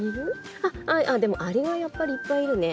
あっでもアリはやっぱりいっぱいいるね。